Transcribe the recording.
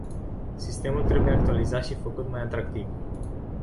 Sistemul trebuie actualizat și făcut mai atractiv.